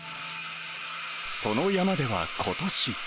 その山ではことし。